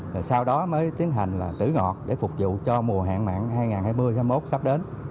chúng tôi tiến hành trữ ngọt để phục vụ cho mùa hạn mặn hai nghìn hai mươi một sắp đến